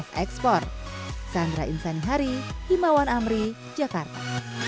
berita ekspor sandra insanihari himawan amri jakarta